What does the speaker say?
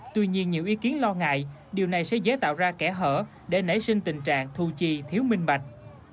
tuy nhiên nhiều ý kiến lo ngại điều này sẽ dễ tạo ra kẻ hở để nảy sinh tình trạng thu chi thiếu minh bạch